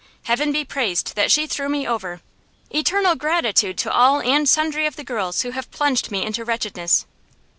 'Heaven be praised that she threw me over! Eternal gratitude to all and sundry of the girls who have plunged me into wretchedness!